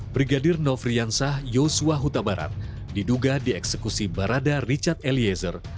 brigadir nofriansah yosua hutabarat diduga dieksekusi barada richard eliezer